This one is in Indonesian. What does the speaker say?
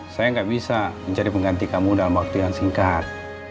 saya nggak bisa mencari pengganti kamu dalam waktu yang singkat